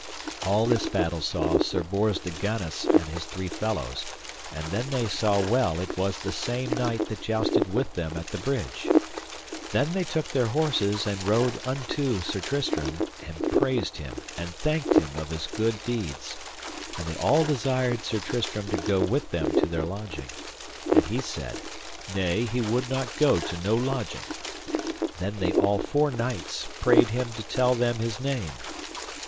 All this battle saw Sir Bors de Ganis and his three fellows, and then they saw well it was the same knight that jousted with them at the bridge; then they took their horses and rode unto Sir Tristram, and praised him and thanked him of his good deeds, and they all desired Sir Tristram to go with them to their lodging; and he said: Nay, he would not go to no lodging. Then they all four knights prayed him to tell them his name.